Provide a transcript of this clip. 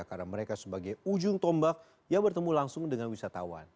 karena mereka sebagai ujung tombak yang bertemu langsung dengan wisatawan